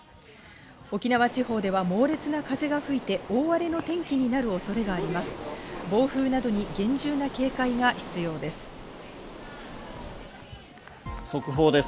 沖縄地方では猛烈な風が吹いて、大荒れの天気になるおそれがあります。